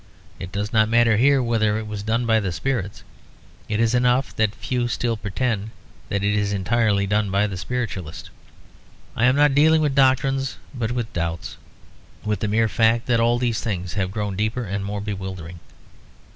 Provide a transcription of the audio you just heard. It does not matter here whether it was done by the spirits; it is enough that few still pretend that is entirely done by the spiritualists. I am not dealing with doctrines but with doubts; with the mere fact that all these things have grown deeper and more bewildering.